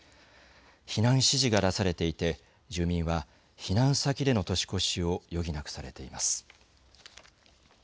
避難指示が出されていて住民は避難先での年越しを余儀なくされています。